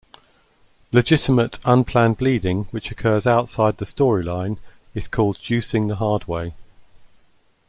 Legitimate, unplanned bleeding which occurs outside the storyline is called juicing the hard way.